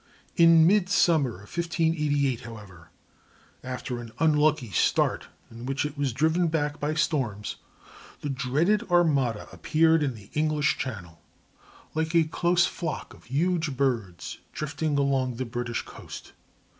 In midsummer of 1588, however, after an unlucky start, in which it was driven back by storms, the dreaded Armada appeared in the English Channel, like a close flock of huge birds drifting along the British coast.